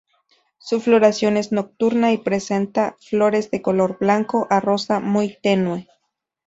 Su floración es nocturna y presenta flores de color blanco a rosa muy tenue.